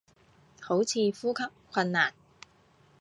好似呼吸困難